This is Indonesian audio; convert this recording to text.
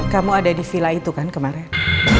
kamu ada di villa itu kan kemarin